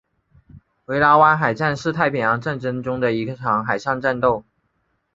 维拉湾海战是太平洋战争中的一场海上战斗。